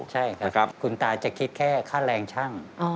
ใช่ครับคุณตาจะคิดแค่ค่าแรงช่าง